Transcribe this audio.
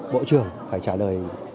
bộ trưởng phải trả lời